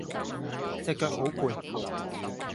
隻腳好攰